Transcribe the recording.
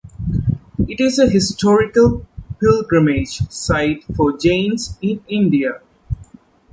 It is a historical pilgrimage site for Jains in India.